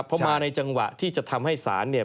เพราะมาในจังหวะที่จะทำให้ศาลเนี่ย